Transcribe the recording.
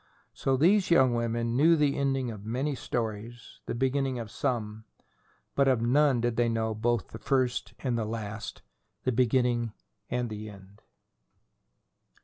So these young women knew the ending of many stories, the beginning of some; but of none did they know both the first and last, the beginning and the end.